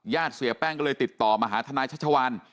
ญาติเสียแป้งก็เลยติดต่อมาธนายชชวาน